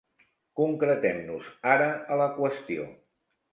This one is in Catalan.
Concretem-nos ara a la qüestió.